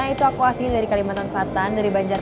itu aku asin dari kalimantan selatan dari banjar